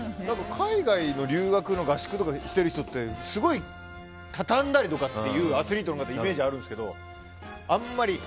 海外の留学の合宿とかしてる人ってすごい畳んだりとかするっていうアスリートのイメージがあるんですけど、あんまり？